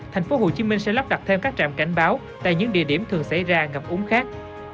thành phố hồ chí minh sẽ lắp đặt thêm các trạm cảnh báo tại những địa điểm thường xảy ra ngập uống khác